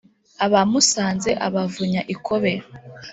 abamusanze abavunya ikobe